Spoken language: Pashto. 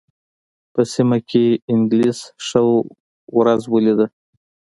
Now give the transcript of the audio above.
په سیمه کې انګلیس ښه ورځ ولېده.